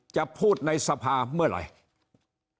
จะพูดในสภาเมื่อไหร่